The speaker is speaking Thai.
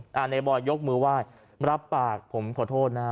นายบอยยกมือไหว้รับปากผมขอโทษนะฮะ